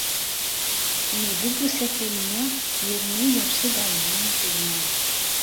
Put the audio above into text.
Yebded usakal-nni yernu yers-d Ɛezdin n Tezmalt.